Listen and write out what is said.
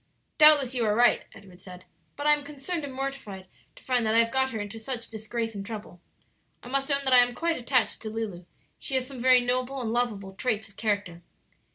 "Doubtless you are right," Edward said; "but I am concerned and mortified to find that I have got her into such disgrace and trouble. I must own I am quite attached to Lulu; she has some very noble and lovable traits of character."